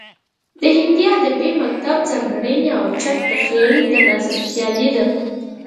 د هندي ادبي مکتب ځانګړنې اوچت تخیل او نازکخیالي ده